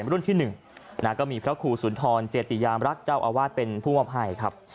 รุ่นที่๑ก็มีพระครูสุนทรเจติยามรักษ์เจ้าอาวาสเป็นผู้มอบให้ครับ